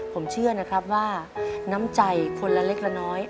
ผมเชื่อนะครับว่าน้ำใจคนละเล็กละน้อย